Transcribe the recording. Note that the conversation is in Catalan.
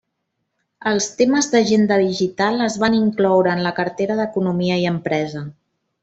Els temes d'Agenda Digital es van incloure en la cartera d'Economia i Empresa.